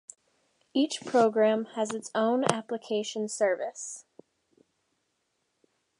Each program has its own application service.